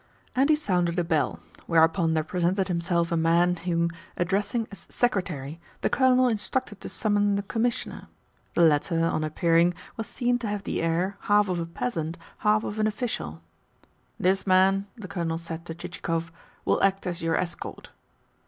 And he sounded a bell; whereupon there presented himself a man whom, addressing as "Secretary," the Colonel instructed to summon the "Commissioner." The latter, on appearing, was seen to have the air, half of a peasant, half of an official. "This man," the Colonel said to Chichikov, "will act as your escort."